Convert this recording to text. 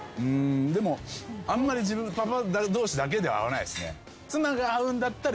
でもあんまりパパ同士だけでは会わないっすね。